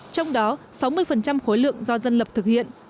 trong đó sáu mươi khối lượng do dân lập thực hiện